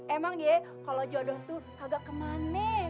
emang ya kalau jodoh tuh kagak kemana